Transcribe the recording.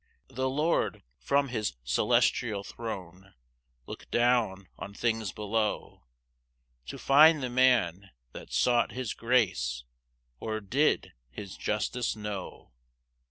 3 The Lord, from his celestial throne Look'd down on things below, To find the man that sought his grace, Or did his justice know.